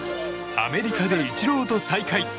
アメリカでイチローと再会！